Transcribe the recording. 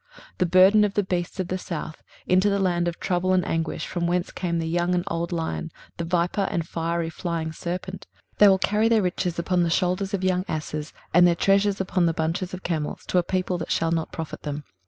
23:030:006 The burden of the beasts of the south: into the land of trouble and anguish, from whence come the young and old lion, the viper and fiery flying serpent, they will carry their riches upon the shoulders of young asses, and their treasures upon the bunches of camels, to a people that shall not profit them.